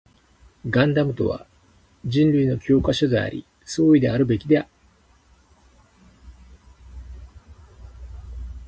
ガンダムとは人類の教科書であり、総意であるべきだ